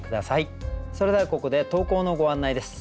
それではここで投稿のご案内です。